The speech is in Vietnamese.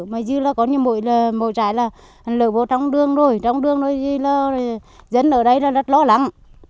mà dư là có như mỗi trái là lở vô trong đường rồi trong đường rồi thì là dân ở đây là rất lo lắng